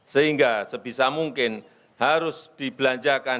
sehingga sebisa mungkin harus dibelanjakan